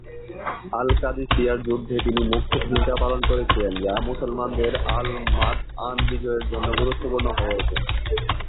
আল-কাদিসিয়ার যুদ্ধে তিনি মুখ্য ভূমিকা পালন করেছিলেন, যা মুসলমানদের আল-মাদ'আন বিজয়ের জন্য গুরুত্বপূর্ণ হয়ে ওঠে।